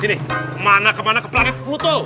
sini kemana kemana ke planet pluto